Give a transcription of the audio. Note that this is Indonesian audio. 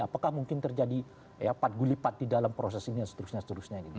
apakah mungkin terjadi pat gulipat di dalam proses ini seterusnya seterusnya